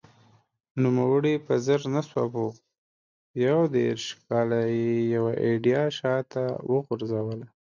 نوموړي په زر نه سوه یو دېرش کال کې یوه ایډیا شا ته وغورځوله